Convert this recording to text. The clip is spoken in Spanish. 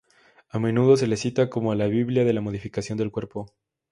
A menudo se le cita como la Biblia de la modificación del cuerpo.